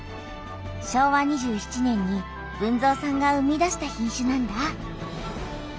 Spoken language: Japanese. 昭和２７年に豊造さんが生み出した品種なんだ。